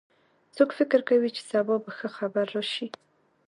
څوک فکر کوي چې سبا به ښه خبر راشي